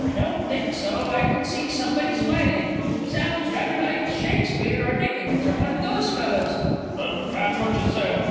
Don't think so, I can see somebody smiling. Sounds rather like Shakespeare, or Dickens, or one of those fellahs.... Didn't catch what you said.